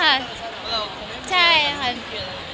เราคงไม่มีความคิมเขียนอะไรอยู่